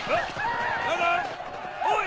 おい！